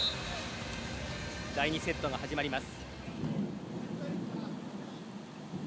第２セットが始まります。